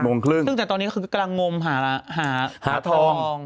โมงครึ่งซึ่งแต่ตอนนี้คือกำลังงมหาหาทอง